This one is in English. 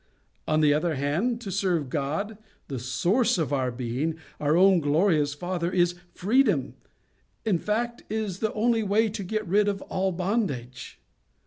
On the other hand, to serve God, the source of our being, our own glorious Father, is freedom; in fact, is the only way to get rid of all bondage.